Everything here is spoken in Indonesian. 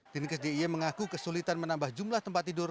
dinkes dia mengaku kesulitan menambah jumlah tempat tidur